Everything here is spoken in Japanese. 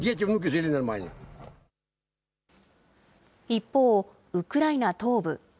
一方、ウクライナ東部。